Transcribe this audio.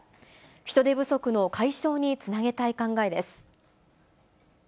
人手不足の解消につなげたい考えです。